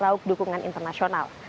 dan juga untuk kemasukan internasional